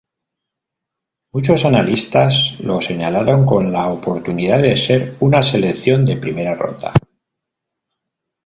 Muchos analistas lo señalaron con la oportunidad de ser una selección de primera ronda.